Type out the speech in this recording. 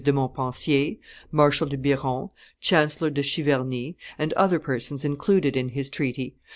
de Montpensier, Marshal de Biron, Chancellor de Chiverny, and other persons included in his treaty